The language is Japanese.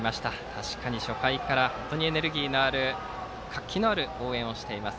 確かに初回からエネルギーのある活気のある応援をしています